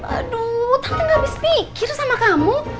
aduh tante nggak habis pikir sama kamu